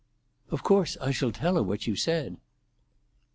"Of course I shall tell her what you said."